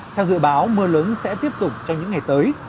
theo dự báo mưa lớn sẽ tiếp tục trong những ngày tới